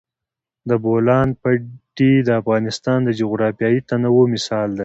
د بولان پټي د افغانستان د جغرافیوي تنوع مثال دی.